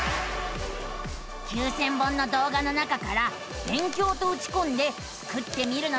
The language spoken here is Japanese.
９，０００本の動画の中から「勉強」とうちこんでスクってみるのさあ。